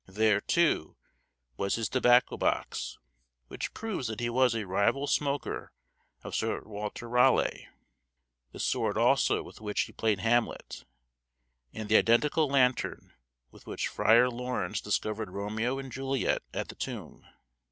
There, too, was his tobacco box, which proves that he was a rival smoker of Sir Walter Raleigh: the sword also with which he played Hamlet; and the identical lantern with which Friar Laurence discovered Romeo and Juliet at the tomb.